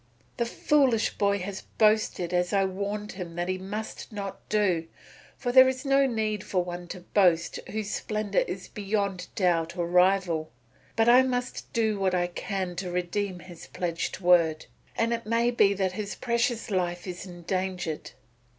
"The foolish boy has boasted as I warned him that he must not do, for there is no need for one to boast whose splendour is beyond doubt or rival. But I must do what I can to redeem his pledged word and it may be that his precious life is endangered."